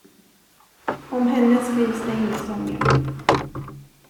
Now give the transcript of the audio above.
Om henne skrivs det inga sånger.